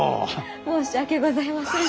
申し訳ございません。